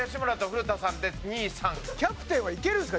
絶対絶対キャプテンはいけるんですか？